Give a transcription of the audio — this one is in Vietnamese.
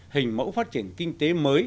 hình mẫu phát triển kinh tế mới